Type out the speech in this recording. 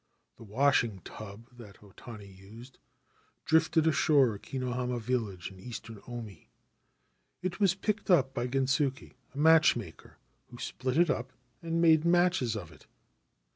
' The washing tub that O Tani used drifted ashore at Kinohama village, in Eastern Omi. It was picked up by Gensuke, a match maker, who split it up and made matches of it.